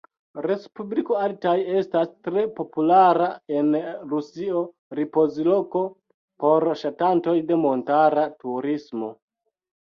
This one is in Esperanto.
Respubliko Altaj estas tre populara en Rusio ripozloko por ŝatantoj de montara turismo.